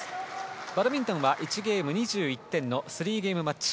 バドミントンは１ゲーム２１点の３ゲームマッチ。